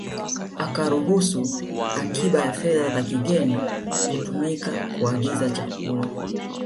Akaruhusu akiba ya fedha za kigeni kutumika kuagiza chakula